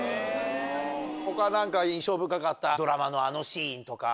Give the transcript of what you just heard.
他何か印象深かったドラマのあのシーンとか。